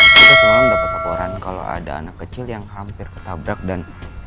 kita selalu dapat laporan kalau ada anak kecil yang hampir ketabrak dan